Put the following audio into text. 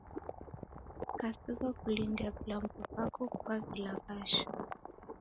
Kasigha kulindia vilambo vako kuavilaghasha.